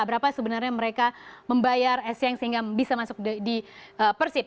berapa sebenarnya mereka membayar essiang sehingga bisa masuk di persib